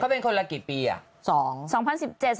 เป็นคนละกี่ปีอ่ะ